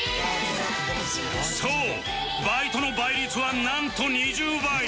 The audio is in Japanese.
そうバイトの倍率はなんと２０倍